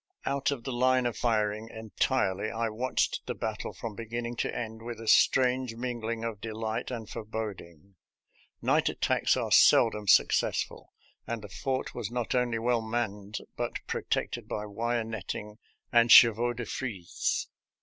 Out of the line of firing entirely, I watched the battle from beginning to end with a strange mingling of delight and foreboding. Night attacks are seldom successful, and the fort was not only well manned, but protected by wire netting and chevaux de frise.